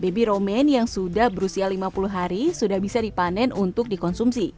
baby romaine yang sudah berusia lima puluh hari sudah bisa dipanen untuk dikonsumsi